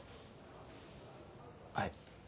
はい。